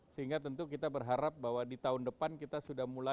sehingga tentu kita berharap bahwa di tahun depan kita sudah mulai